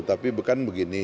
tapi bukan begini